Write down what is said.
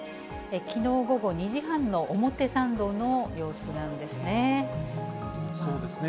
きのう午後２時半の表参道の様子なんですね。